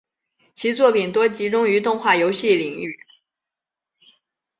其作品多集中于动画游戏领域。